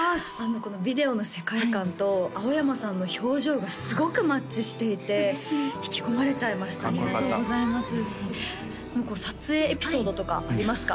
このビデオの世界観と青山さんの表情がすごくマッチしていて引き込まれちゃいましたねかっこよかったありがとうございます嬉しい撮影エピソードとかありますか？